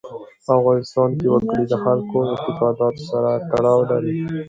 په افغانستان کې وګړي د خلکو د اعتقاداتو سره تړاو لري.